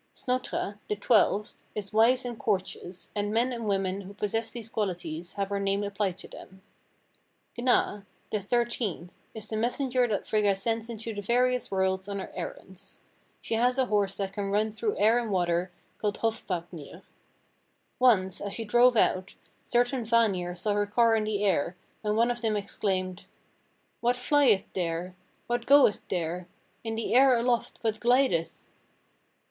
Snotra, the twelfth, is wise and courteous, and men and women who possess these qualities have her name applied to them. Gna, the thirteenth, is the messenger that Frigga sends into the various worlds on her errands. She has a horse that can run through air and water, called Hofvarpnir. Once, as she drove out, certain Vanir saw her car in the air, when one of them exclaimed, "'What flieth there? What goeth there? In the air aloft what glideth?'